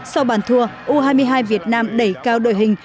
sau bàn thua u hai mươi hai việt nam đẩy cao đội hình